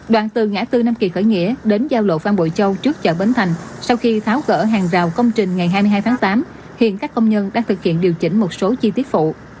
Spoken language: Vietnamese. đoạn từ ngã tư nam kỳ khởi nghĩa đến giao lộ phan bội châu trước chợ bến thành sau khi tháo cỡ hàng rào công trình ngày hai mươi hai tháng tám hiện các công nhân đang thực hiện điều chỉnh một số chi tiết phụ